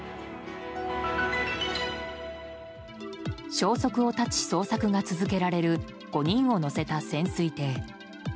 消息を絶ち捜索が続けられる５人を乗せた潜水艇。